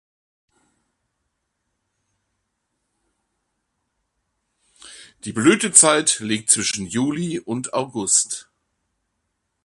Die Blütezeit liegt zwischen Juli und August.